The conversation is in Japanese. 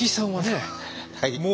はい。